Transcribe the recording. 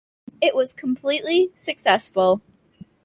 It was completely successful.